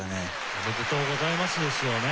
おめでとうございますですよね